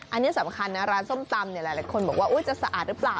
อันนี้สำคัญนะร้านส้มตำหลายคนบอกว่าจะสะอาดหรือเปล่า